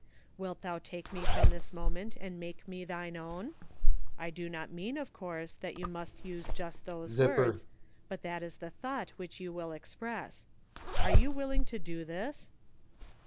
Wilt thou take me froni this moment and make me thine own ?' I do not mean, of course, that you must use just those words, but that is the thought which you will express. Are you willing to do this